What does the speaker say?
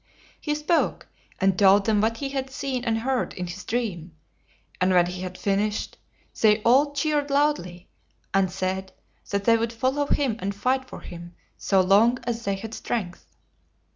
He spoke, and told them what he had seen and heard in his dream; and when he had fin ished, they all cheered loudly, and said that they would follow him and fight for him so long as they had strength.